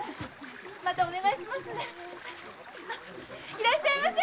いらっしゃいませ！